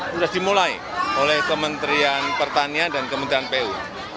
sudah dimulai oleh kementerian pertanian dan kementerian pu